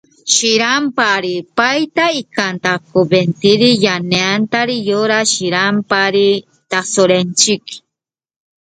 Hombres que han expuesto sus vidas por el nombre de nuestro Señor Jesucristo.